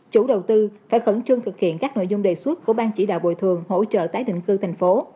chủ đầu tư phải khẩn trương thực hiện các nội dung đề xuất của ban chỉ đạo bồi thường hỗ trợ tái định cư thành phố